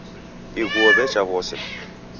Ighuo w'echa w'ose.